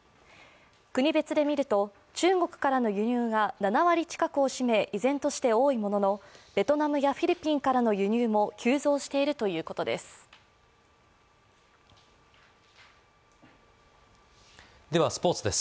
国別で見ると、中国からの輸入が７割近くを占め依然として多いものの、ベトナムやフィリピンからの輸入も急増しているということです。